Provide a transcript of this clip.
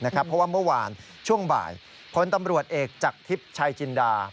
เพราะว่าเมื่อวานช่วงบ่ายพลตำรวจเอกจากทิพย์ชัยจินดา